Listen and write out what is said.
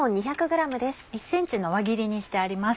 １ｃｍの輪切りにしてあります。